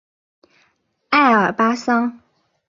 爱尔巴桑。